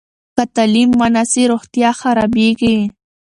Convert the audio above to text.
که تعلیم ونه سي، روغتیا خرابېږي.